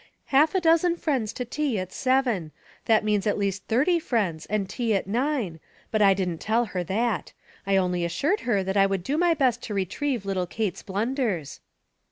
Half a dozen friends to tea at seven. That means at least thirty friends, and tea at nine ; but 1 didn't tell her that. I only assured her that I would do my best to retrieve little Kate's blunders."